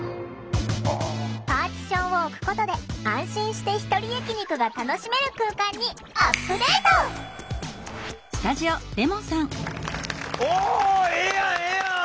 パーティションを置くことで安心してひとり焼き肉が楽しめる空間におええやんええやん！